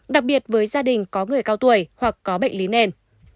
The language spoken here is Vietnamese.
đặc biệt với gia đình có người cao tuổi hoặc có bệnh lý nền